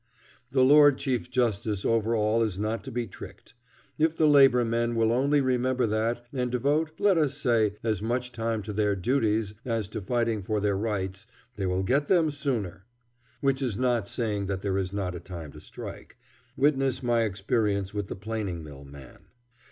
The Lord Chief Justice over all is not to be tricked. If the labor men will only remember that, and devote, let us say, as much time to their duties as to fighting for their rights, they will get them sooner. Which is not saying that there is not a time to strike. Witness my experience with the planing mill man.